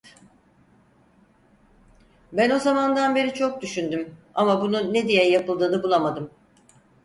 Ben o zamandan beri çok düşündüm, ama bunun ne diye yapıldığını bulamadım.